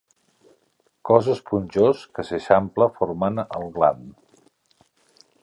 Cos esponjós que s'eixampla formant el gland.